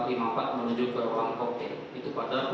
ya ke ruang kopil